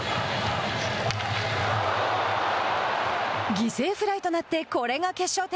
犠牲フライとなってこれが決勝点。